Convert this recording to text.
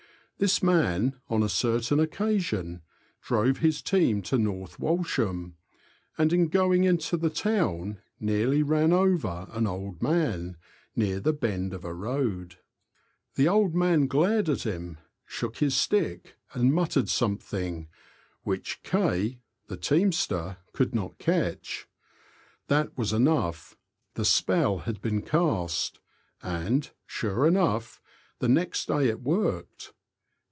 This man on a certain occa sion drove his team to North Walsham, and in going into the town nearly ran over an old man, near the bend of a road. The old man glared at him, shook his stick, and muttered something, which K (the teamster) could not catch. That was enough ; the spell had been cast, and, sure enough, the next day it worked.